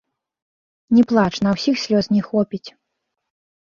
Не плач, на ўсіх слёз не хопіць!